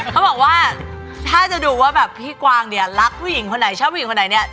เขาบอกว่าถ้าจะดูว่าแบบพี่กวางเนี่ยรักผู้หญิงคนไหนชอบผู้หญิงคนไหนเนี่ย